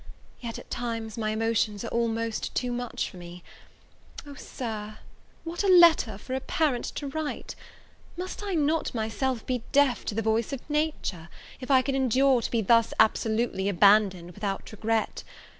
Yet, at times, my emotions are almost too much for me. O, Sir, what a letter for a parent to write! Must I not myself be deaf to the voice of nature, if I could endure to be thus absolutely abandoned without regret?